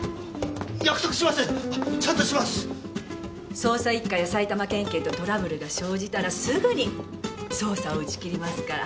捜査一課や埼玉県警とトラブルが生じたらすぐに捜査を打ち切りますから。